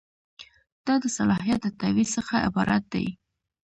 دا د صلاحیت د تعویض څخه عبارت دی.